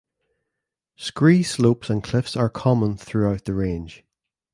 Scree slopes and cliffs are common throughout the range.